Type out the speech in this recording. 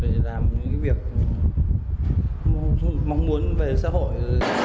tôi nhận thức được hành vi của mình là sai trái và mong muốn được về với xã hội dưới nhanh để làm những việc